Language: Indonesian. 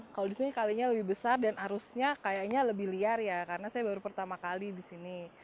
kalau di sini kalinya lebih besar dan arusnya kayaknya lebih liar ya karena saya baru pertama kali di sini